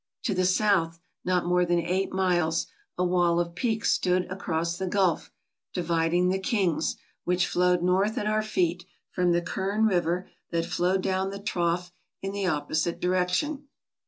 To the south, not more than eight miles, a wall of peaks stood across the gulf, dividing the King's, which flowed north at our feet, from the Kern River, that flowed down the trough in the opposite direction.